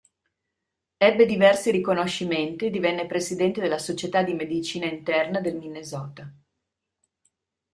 Ebbe diversi riconoscimenti e divenne presidente della società di medicina interna del Minnesota.